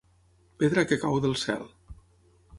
Pedra que cau del cel.